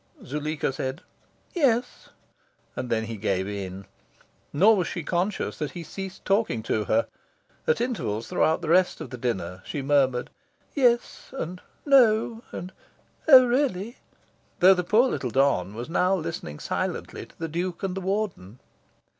Zuleika said "Yes;" and then he gave in. Nor was she conscious that he ceased talking to her. At intervals throughout the rest of dinner, she murmured "Yes," and "No," and "Oh really?" though the poor little don was now listening silently to the Duke and the Warden.